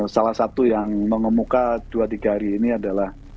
salah satu yang mengemuka dua tiga hari ini adalah